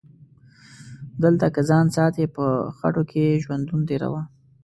دلته که ځان ساتي په خټو کې ژوندون تیروه